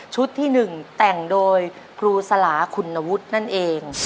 ที่๑แต่งโดยครูสลาคุณวุฒินั่นเอง